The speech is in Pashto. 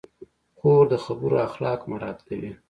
خور د خبرو اخلاق مراعت کوي.